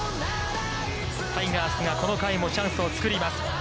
タイガースがこの回もチャンスを作ります。